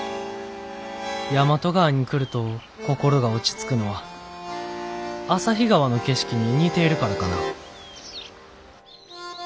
大和川に来ると心が落ち着くのは旭川の景色に似ているからかな」。